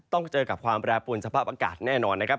ต้องเจอกับความแปรปวนสภาพอากาศแน่นอนนะครับ